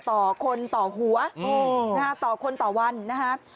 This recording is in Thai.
ต่อคนต่อหัวนะฮะต่อคนต่อวันนะครับ